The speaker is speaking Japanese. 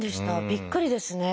びっくりですね。